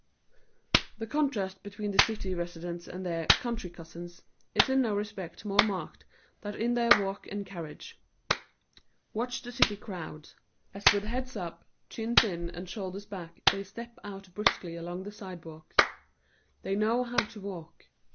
The contrast between the city residents and their "country cousins" is in no respect more marked than in their walk and carriage. Watch the city crowds, as with heads up, chins in, and shoulders back, they step out briskly along the sidewalks. They know how to walk.